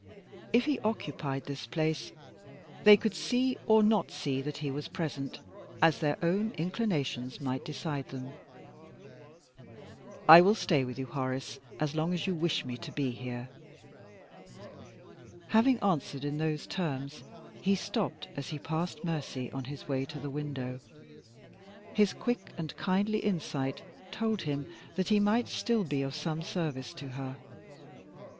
If he occupied this place, they could see or not see that he was present, as their own inclinations might decide them. "I will stay with you, Horace, as long as you wish me to be here." Having answered in those terms, he stopped as he passed Mercy, on his way to the window. His quick and kindly insight told him that he might still be of some service to her.